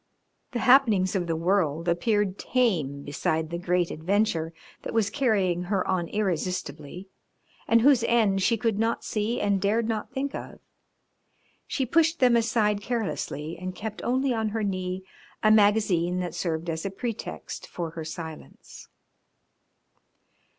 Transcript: The happenings of the world appeared tame beside the great adventure that was carrying her on irresistibly and whose end she could not see and dared not think of. She pushed them aside carelessly and kept only on her knee a magazine that served as a pretext for her silence.